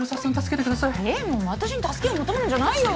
えっもう私に助けを求めるんじゃないよ。